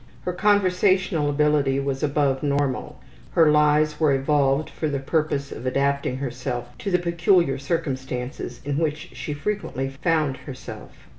Her conversational ability was above normal; her lies were evolved for the purpose of adapting herself to the peculiar circumstances in which she frequently found herself.